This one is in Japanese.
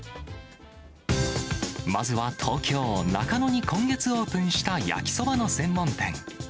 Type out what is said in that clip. まずは東京・中野に今月オープンした焼きそばの専門店。